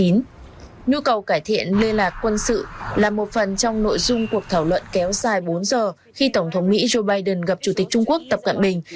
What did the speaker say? nhu cầu cải thiện liên lạc quân sự là một phần trong nội dung cuộc thảo luận kéo dài bốn giờ khi tổng thống mỹ joe biden gặp chủ tịch trung quốc tập cận bình